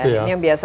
ini yang biasa